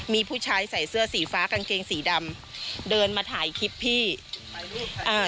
มีผู้ชายใส่เสื้อสีฟ้ากางเกงสีดำเดินมาถ่ายคลิปพี่เอ่อ